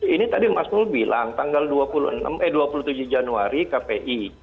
ini tadi mas mould bilang tanggal dua puluh enam eh dua puluh tujuh januari kpi